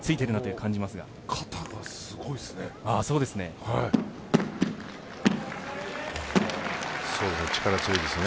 肩がすごいですね。